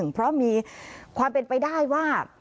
เพราะมีความเป็นไปได้ว่า